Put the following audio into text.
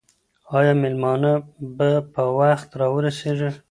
آیا مېلمانه به په وخت راورسېږي؟